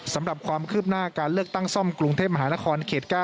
สำหรับความคืบหน้าการเลือกตั้งซ่อมกรุงเทพมหานครเขต๙